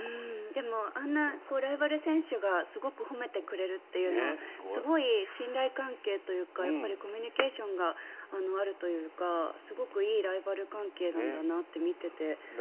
でもあんなライバル選手がすごく褒めてくれるというのはすごい信頼関係というかコミュニケーションがあるというかすごくいいライバル関係なんだなって見てて思いました。